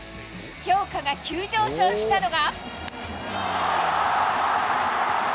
評価が急上昇したのが。